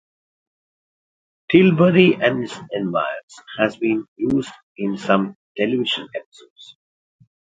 Tilbury and its environs have been used in some television episodes.